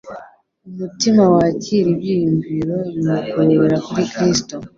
umutima wakira ibyiyumviro biwukururira kuri Kristo.